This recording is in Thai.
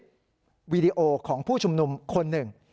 วีดีโอของผู้ชุมนุมคนหนึ่ง